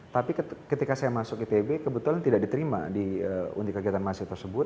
tapi ketika saya masuk itb kebetulan tidak diterima di unit kegiatan mahasiswa tersebut